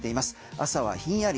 朝はひんやり